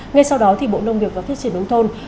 ngay sau đó thì bộ nông nghiệp và phước triển đông thôn